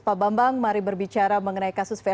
pak bambang mari berbicara mengenai kasus vari